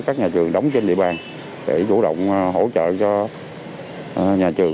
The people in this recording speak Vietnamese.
các nhà trường đóng trên địa bàn để chủ động hỗ trợ cho nhà trường